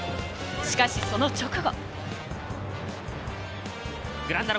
しかし、その直後。